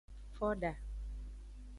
Poda.